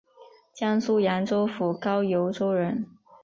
江苏扬州府高邮州人。